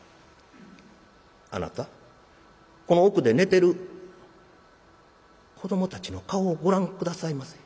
「あなたこの奥で寝てる子どもたちの顔をご覧下さいませ。